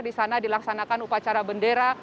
di sana dilaksanakan upacara bendera